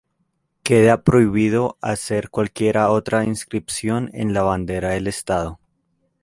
Queda prohibido hacer cualquiera otra inscripción en la Bandera del Estado.